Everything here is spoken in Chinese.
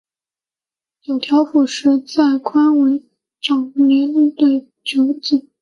九条辅实在宽文九年的长子。